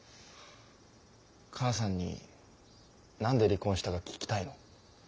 母さんになんで離婚したか聞きたいの？